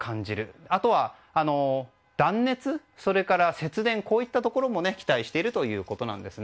あとは断熱それから節電といったところも期待しているということです。